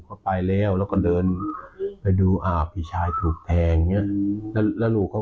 เขาไปแล้วแล้วก็เดินไปดูอ่าพี่ชายถูกแทงแล้วลูกเขา